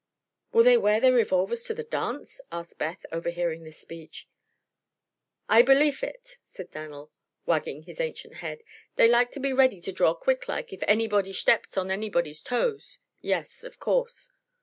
"Will they wear their revolvers at the dance?" asked Beth, overhearing this speech. "I belief id," said Dan'l, wagging his ancient head. "Dey like to be ready to draw quick like, if anybody shteps on anybody's toes. Yes; of course."